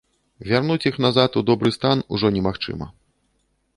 Вярнуць іх назад у добры стан ужо немагчыма.